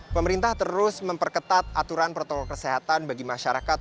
pemerintah terus memperketat aturan protokol kesehatan bagi masyarakat